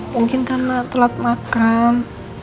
mungkin karena telat makan